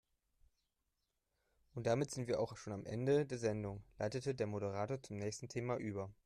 "Und damit sind wir auch schon am Ende der Sendung", leitete der Moderator zum nächsten Thema über.